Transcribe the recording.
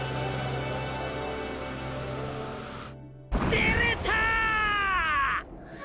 出れたー！